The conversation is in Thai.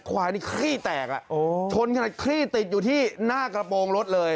ควายนี่คลี่แตกชนขนาดคลี่ติดอยู่ที่หน้ากระโปรงรถเลย